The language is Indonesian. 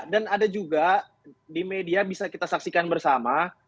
dan ada juga di media bisa kita saksikan bersama